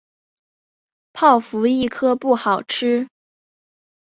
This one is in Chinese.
泡芙一颗不好吃